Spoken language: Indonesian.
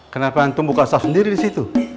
kenapa hantu buka shaf sendiri disitu